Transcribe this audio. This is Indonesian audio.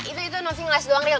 itu itu novi ngeles doang riel